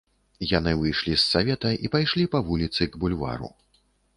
Яны выйшлі з савета і пайшлі па вуліцы к бульвару.